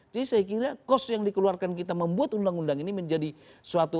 saya kira cost yang dikeluarkan kita membuat undang undang ini menjadi suatu